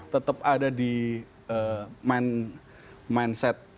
tetap ada di mindset